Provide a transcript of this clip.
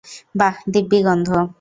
বাঃ, দিব্যি গন্ধ?